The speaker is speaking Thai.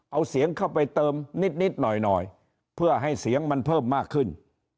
เอาเสียงเข้าไปเติมนิดหน่อยหน่อยเพื่อให้เสียงมันเพิ่มมากขึ้น